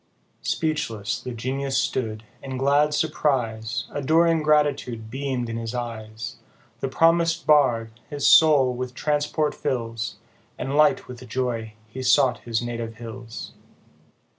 Speechless the Genius stood, in glad surprise Adoring gratitude beam'd in his eyes ; The promis'd Bard, his soul with transport fills, And light with joy he sought his native hills.